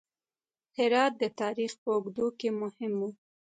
هرات د تاریخ په اوږدو کې مهم و